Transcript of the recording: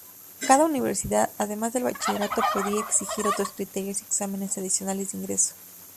Cada universidad, además del bachillerato, podía exigir otros criterios y exámenes adicionales de ingreso.